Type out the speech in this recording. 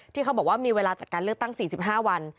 เขาบอกว่ามีเวลาจัดการเลือกตั้ง๔๕วัน